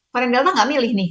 varian delta gak milih nih